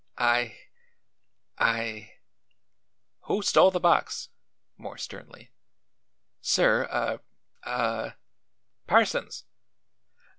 "I I " "Who stole the box?" more sternly. "Sir, a a " "Parsons!"